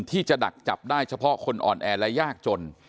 ที่จะดักจับได้เฉพาะคนอ่อนแอและยากจน